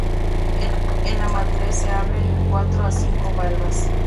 En la madurez se abren en cuatro a cinco valvas.